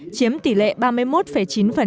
chiếm tỷ lệ ba mươi một chín